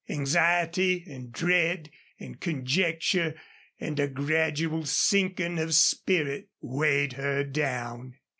Anxiety and dread and conjecture and a gradual sinking of spirit weighed her down.